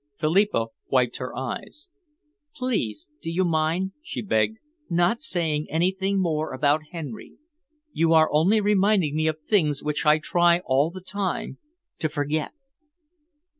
Philippa wiped her eyes. "Please, do you mind," she begged, "not saying anything more about Henry. You are only reminding me of things which I try all the time to forget."